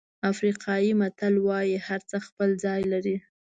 افریقایي متل وایي هرڅه خپل ځای لري.